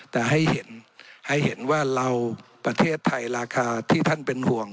แต่ให้เห็นให้เห็นว่าเราประเทศไทยราคาที่ท่านเป็นห่วง